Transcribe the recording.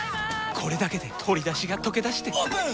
これだけで鶏だしがとけだしてオープン！